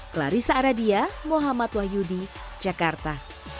clarissa aradia muhammad wahyudi jakarta